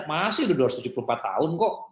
masih udah dua ratus tujuh puluh empat tahun kok